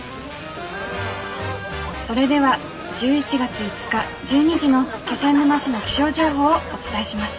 「それでは１１月５日１２時の気仙沼市の気象情報をお伝えします。